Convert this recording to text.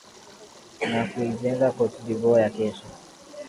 la kuijenga cote dvoire ya kesho